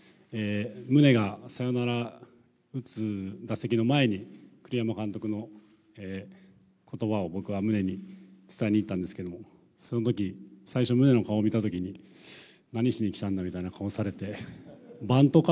宗がサヨナラ打つ打席の前に、栗山監督のことばを僕は宗に伝えに行ったんですけれども、そのとき、最初、宗の顔見たときに、何しに来たんだみたいな顔されて、バントか？